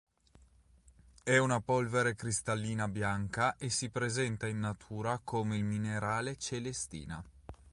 È una polvere cristallina bianca e si presenta in natura come il minerale celestina.